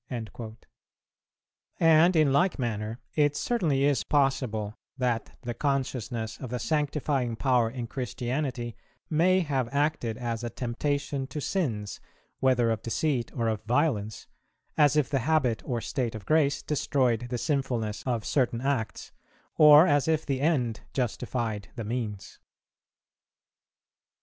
"[378:2] And in like manner it certainly is possible that the consciousness of the sanctifying power in Christianity may have acted as a temptation to sins, whether of deceit or of violence; as if the habit or state of grace destroyed the sinfulness of certain acts, or as if the end justified the means.